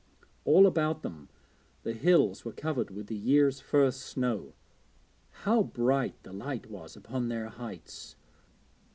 All about them the hills were covered with the year's first snow. How bright the light was upon their heights!